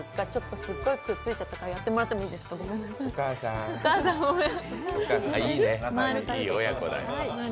すっごいくっついちゃったから、やってもらってもいいですか、お母さんごめん。